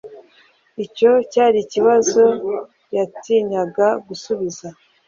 Icyo cyari ikibazo yatinyaga gusubiza.